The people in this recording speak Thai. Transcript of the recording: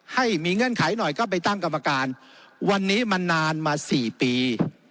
ให้มีเงื่อนไขหน่อยก็ไปตั้งกรรมการวันนี้มานานมา๔ปี